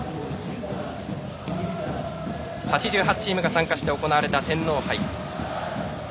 ８８チームが参加して行われた天皇杯。